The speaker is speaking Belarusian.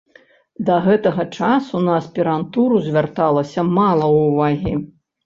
Да гэтага часу на аспірантуру звярталася мала ўвагі.